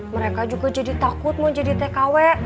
mereka juga jadi takut mau jadi tkw